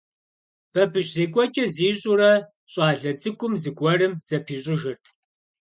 Бабыщ зекӀуэкӀэ зищӀурэ щӀалэ цӀыкӀум зыгуэрым зыпищӀыжырт.